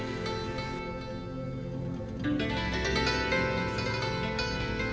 usaha surat panjang wajah serta pekerjaan amerika serikat dan pakistan